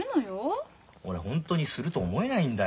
俺ホントにすると思えないんだよ。